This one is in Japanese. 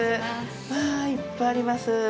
うわぁ、いっぱいあります！